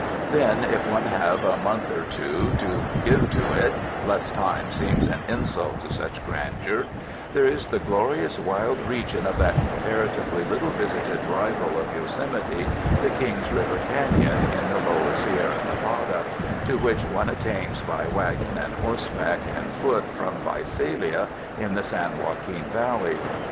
Then if one have a month or two to give to it — less time seems an insult to such grandeur — there is the glorious wild region of that comparatively little visited rival of Yosemite, the King's River Canon in the lower Sierra Nevada, to which one attains by wagon and horseback and foot from Visalia in the San Joaquin Valley.